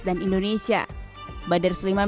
dan indonesia badir seliman